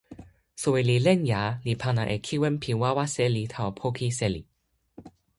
soweli Lenja li pana e kiwen pi wawa seli tawa poki seli.